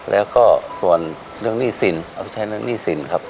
แล้วก็ส่วนเรื่องหนี้สินเอาไปใช้เรื่องหนี้สินครับ